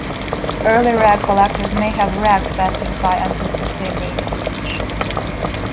Early Rag collectors may have "ragged" passers-by until they made a donation.